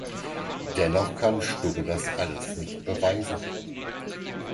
Dennoch kann Stubbe das alles nicht beweisen.